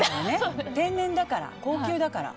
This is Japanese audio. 天然だから、高級だから。